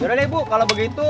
udah deh bu kalau begitu